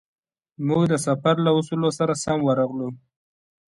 موږ د سفر له اصولو سره سم ورغلو.